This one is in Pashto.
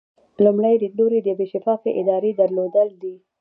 لومړی لیدلوری د یوې شفافې ادارې درلودل دي.